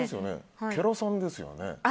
ケロサンですよね。